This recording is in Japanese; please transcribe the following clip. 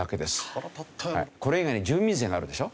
これ以外に住民税があるでしょ？